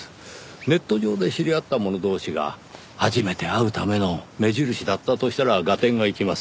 ネット上で知り合った者同士が初めて会うための目印だったとしたら合点がいきます。